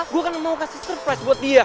gue kan mau kasih surprise buat dia